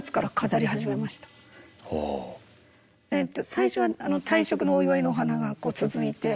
最初は退職のお祝いのお花がこう続いて。